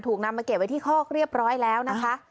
นำมาเก็บไว้ที่คอกเรียบร้อยแล้วนะคะ